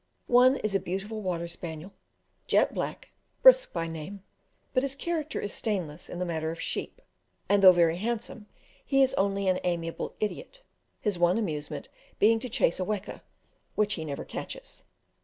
One is a beautiful water spaniel, jet black, Brisk by name, but his character is stainless in the matter of sheep, and though very handsome he is only an amiable idiot, his one amusement being to chase a weka, which he never catches.